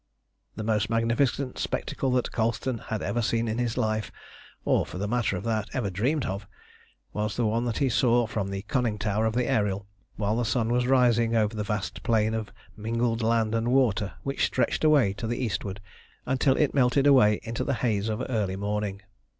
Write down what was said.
The most magnificent spectacle that Colston had ever seen in his life, or, for the matter of that, ever dreamed of, was the one that he saw from the conning tower of the Ariel while the sun was rising over the vast plain of mingled land and water which stretched away to the eastward until it melted away into the haze of early morning.